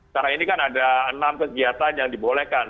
karena ini kan ada enam kegiatan yang dibolehkan